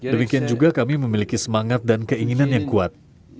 demikian juga kami memiliki semangat dan keinginan yang kuat